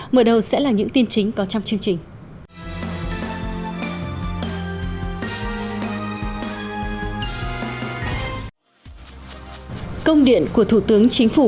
mở đầu sẽ là những tin chính có trong chương trình